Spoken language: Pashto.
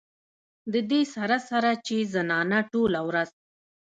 د دې سره سره چې زنانه ټوله ورځ